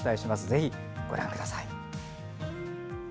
ぜひご覧ください。